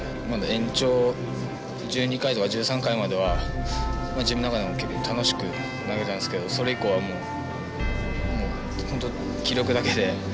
延長１２回とか１３回までは自分の中でも結構楽しく投げたんですけどそれ以降はもう本当気力だけで何も考えることができませんでした。